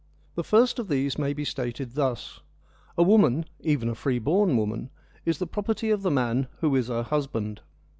The first of these may be stated thus : a woman, even a free born woman, is the property of the man who is her husband.